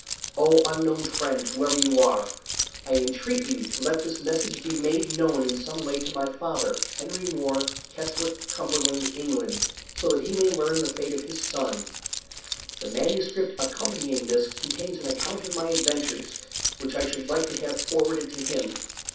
Oh, unknown friend! whoever you are. I entreat you to let this message be made known in some way to my father, Henry More, Keswick, Cumberland, England, so that he may learn the fate of his son. The MS. accompanying this contains an account of my adventures, which I should like to have forwarded to him.